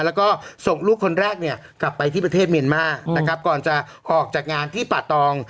แล้วก็ส่งลูกคนแรกเนี่ยกลับไปที่ประเทศเมียนมานะครับก่อนจะออกจากงานที่ป่าตอง